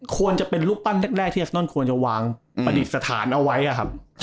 ควรจะเป็นรูปปั้นแรกที่เอสนอนควรจะวางประดิษฐานเอาไว้ครับ